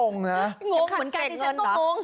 งงเหมือนกันดิเซ็บต้องงง